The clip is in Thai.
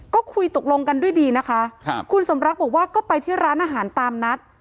ก็คุยตกลงกันด้วยดีนะคะครับคุณสมรักบอกว่าก็ไปที่ร้านอาหารตามนัด